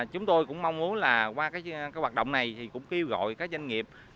chúng tôi cũng mong muốn là qua cái hoạt động này thì cũng kêu gọi các doanh nghiệp